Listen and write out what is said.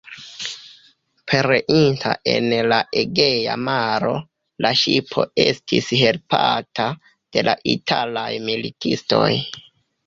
Pereinta en la Egea maro, la ŝipo estis helpata de la italaj militistoj.